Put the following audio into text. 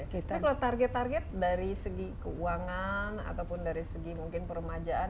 tapi kalau target target dari segi keuangan ataupun dari segi mungkin peremajaan